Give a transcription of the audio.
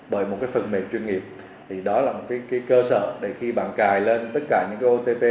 bởi một cái phần mềm chuyên nghiệp thì đó là một cái cơ sở để khi bạn cài lên tất cả những cái otp